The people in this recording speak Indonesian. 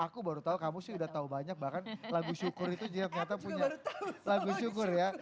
aku baru tahu kamu sih udah tau banyak bahkan lagu syukur itu juga ternyata punya lagu syukur ya